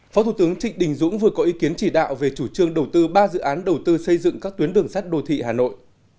phó thủ tướng trịnh đình dũng vừa có ý kiến chỉ đạo về chủ trương đầu tư ba dự án đầu tư xây dựng các tuyến đường sắt đô thị hà nội